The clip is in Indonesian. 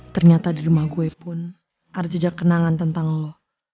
ternyata di rumah gue pun ada jejak kenangan tentang lo